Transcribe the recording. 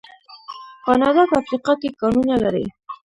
کاناډا په افریقا کې کانونه لري.